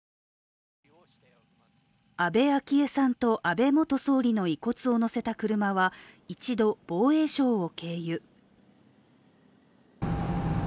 安倍昭恵さんと安倍元総理の遺骨をのせた車は一度防衛省を経由。